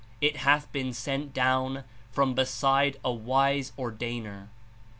It hath been sent down from beside a wise Ordalner." (T.